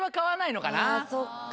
そっか。